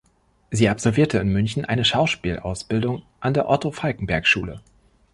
Sie absolvierte in München eine Schauspielausbildung an der Otto-Falckenberg-Schule.